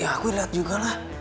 ya aku lihat juga lah